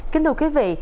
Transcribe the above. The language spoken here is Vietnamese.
kính thưa quý vị